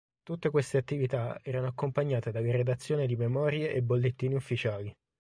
Tutte queste attività erano accompagnate dalla redazione di Memorie e Bollettini ufficiali.